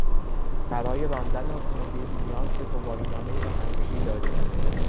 برای راندن اتومبیل نیاز به گواهینامهی رانندگی داری.